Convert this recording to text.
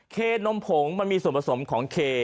เคนมผงมันมีส่วนผสมของเค